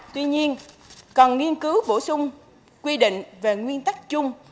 tuy nhiên cần nghiên cứu bổ sung quy định về nguyên tắc chung